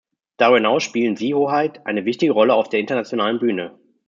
Darüber hinaus spielen Sie, Hoheit, eine wichtige Rolle auf der internationalen Bühne.